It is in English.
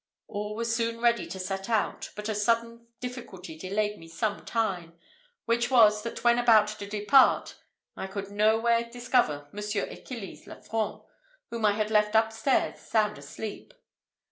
All was soon ready to set out, but a sudden difficulty delayed me some time, which was, that when about to depart, I could nowhere discover Monsieur Achilles Lefranc, whom I had left up stairs sound asleep.